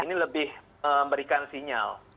ini lebih memberikan sinyal